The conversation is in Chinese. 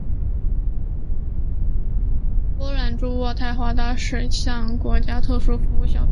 波兰驻渥太华大使向的国家特殊服务小组提出申诉。